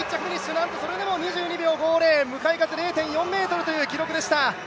なんとそれでも２２秒５０、向かい風０．４ｍという記録でした。